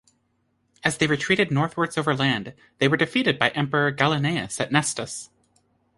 As they retreated northwards over land, they were defeated by Emperor Gallienus at Nestos.